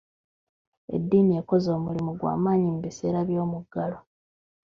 Edddiini ekoze omulimu gwa maanyi mu biseera by'omuggalo.